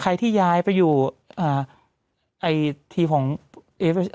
การจัดสิติอยู่นะคือว่า